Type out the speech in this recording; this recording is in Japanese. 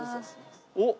おっ！